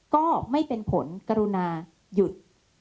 ก็ไม่เป็นผลกรุณาหยุด